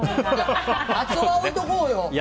カツオは置いとこうよ！